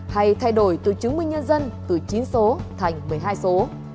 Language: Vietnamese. hay thay đổi từ chứng minh nhân dân từ chín số thành một mươi hai số